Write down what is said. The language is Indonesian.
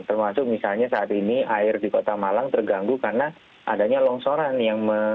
termasuk misalnya saat ini air di kota malang terganggu karena adanya longsoran yang